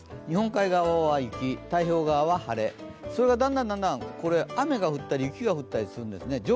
日本海側は雪、太平洋側は晴れ、それがだんだん、雨が降ったり雪が降ったりするんですね。